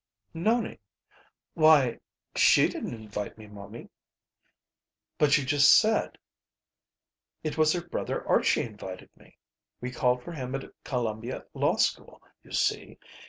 "Nonie." "Why she didn't invite me, momie." "But you just said " "It was her brother Archie invited me. We called for him at Columbia Law School, you see.